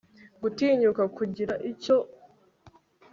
gutinyuka kugira icyo amubaza